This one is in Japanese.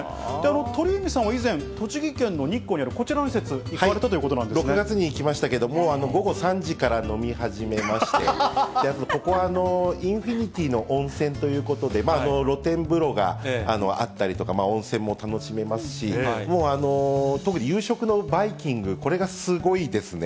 鳥海さんは以前、栃木県の日光にある、こちらの施設、６月に行きましたけれども、午後３時から飲み始めまして、ここはインフィニティーの温泉ということで、露天風呂があったりとか、温泉も楽しめますし、もう特に夕食のバイキング、これがすごいですね。